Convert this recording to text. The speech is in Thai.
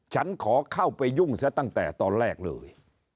ฉันขอเข้าไปยุ่งซะตั้งแต่ตอนแรกเลย